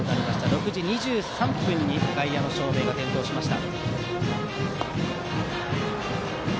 ６時２３分に外野の照明が点灯しました。